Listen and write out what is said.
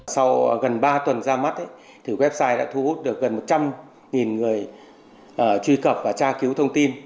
sau gần ba tuần ra mắt website đã thu hút được gần một trăm linh người truy cập và tra cứu thông tin